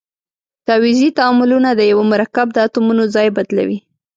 تعویضي تعاملونه د یوه مرکب د اتومونو ځای بدلوي.